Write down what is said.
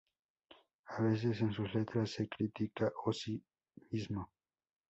A veces en sus letras se critica a sí mismo.